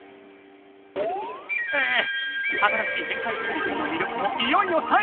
え新しい「天才てれびくん」の魅力もいよいよ最後でございます。